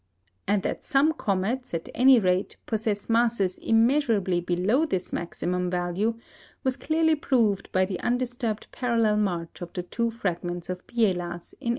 And that some comets, at any rate, possess masses immeasurably below this maximum value was clearly proved by the undisturbed parallel march of the two fragments of Biela's in 1846.